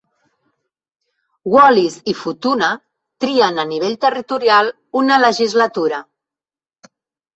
Wallis i Futuna trien a nivell territorial una legislatura.